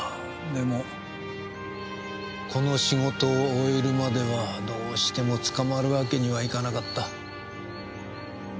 でもこの仕事を終えるまではどうしても捕まるわけにはいかなかった。